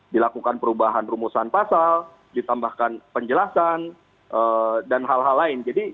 dilakukan perubahan rumusan pasal ditambahkan penjelasan dan hal hal lain